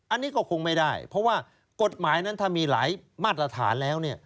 อันนี้ก็คงไม่ได้เพราะว่ากฎหมายนั้นถ้ามีหลายมาตรฐานแล้วเนี่ย